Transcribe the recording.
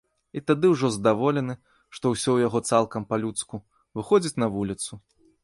І тады ўжо здаволены, што ўсё ў яго цалкам па-людску, выходзіць на вуліцу.